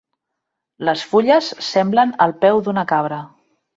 Les fulles semblen el peu d'una cabra.